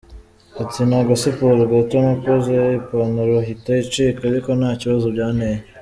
Ati “Ni agasiporo gato nakoze ipantaro ihita icika ariko nta kibazo byanteye.